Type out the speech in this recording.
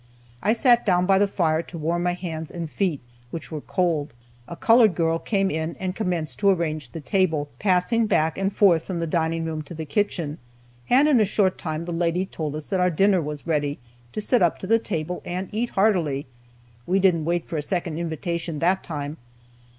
I sat down by the fire to warm my hands and feet, which were cold. A colored girl came in and commenced to arrange the table, passing back and forth from the dining room to the kitchen, and in a short time the lady told us that our dinner was ready, to sit up to the table, and eat heartily. We didn't wait for a second invitation that time.